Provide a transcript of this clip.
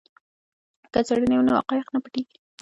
که څېړنه وي نو حقایق نه پټیږي.